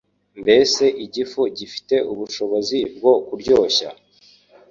Mbese igifu gifite ubushobozi bwo kuryoshya